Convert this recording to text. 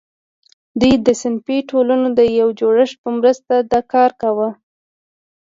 دوی د صنفي ټولنو د یو جوړښت په مرسته دا کار کاوه.